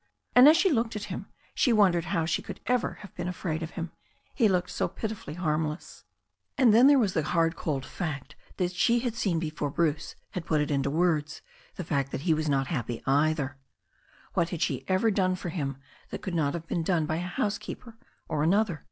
And, as she looked at him, she wondered how she could ever have been afraid of him, he looked so pitifully harmless. 2o8 THE STORY OF A NEW ZEALAND RIVER And then there was the hard cold fact that she had seen before Bruce had put it into words, the fact that he was not happy, either. What had she ever done for him that could not have been done by a housekeeper or another?